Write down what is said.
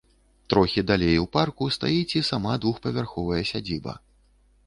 Трохі далей у парку стаіць і сама двухпавярховая сядзіба.